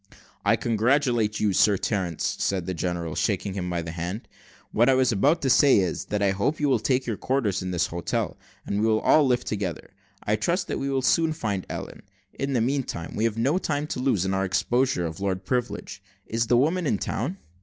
"I congratulate you, Sir Terence," said the general, shaking him by the hand; "what I was about to say is, that I hope you will take up your quarters at this hotel, and we will all live together. I trust we shall soon find Ellen: in the meanwhile, we have no time to lose, in our exposure of Lord Privilege. Is the woman in town?"